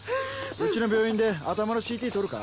うちの病院で頭のＣＴ撮るか？